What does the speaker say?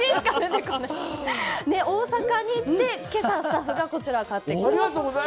大阪に行って今朝スタッフが買ってきたと。